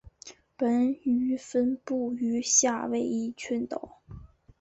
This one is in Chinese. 本鱼分布于夏威夷群岛。